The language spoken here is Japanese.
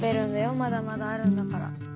まだまだあるんだから。